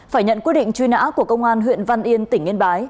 phải nhận quyết định truy nã của công an huyện văn yên tỉnh yên bái